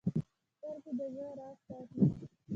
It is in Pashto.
سترګې د زړه راز ساتي